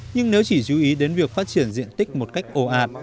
nhưng nếu chỉ chú ý đến việc phát triển diện tích một cách ồ ạt